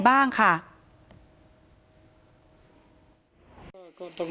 ถ้าใครอยากรู้ว่าลุงพลมีโปรแกรมทำอะไรที่ไหนยังไง